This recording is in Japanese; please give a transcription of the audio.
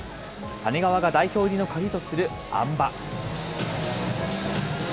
谷川が代表入りの鍵とするあん馬。